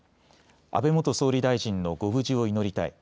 安倍元総理大臣のご無事を祈りたい。